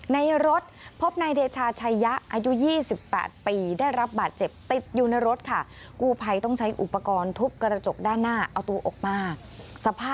ในรถพบนายเดชาชัยะอายุ๒๘ปีได้รับบาดเจ็บติดอยู่ในรถค่ะ